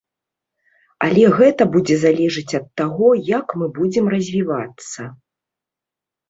Але гэта будзе залежаць ад таго, як мы будзем развівацца.